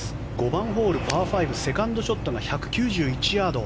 ５番ホール、パー５セカンドショットが１９１ヤード。